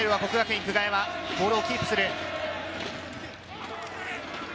國學院久我山、ボールをキープする。